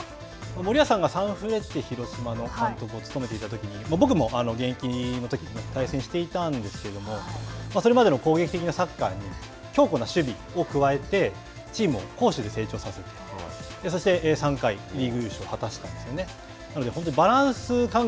森保さんがサンフレッチェ広島の監督を務めていたとき僕も現役のときに対戦していたんですけどそれまでの攻撃的なサッカーに強固な守備を加えて加えて、チームを攻守で成長させたそして３回リーグ優勝を果たしたんですね。